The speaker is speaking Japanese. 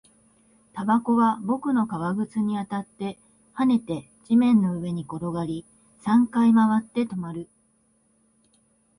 タバコは僕の革靴に当たって、跳ねて、地面の上に転がり、三回回って、止まる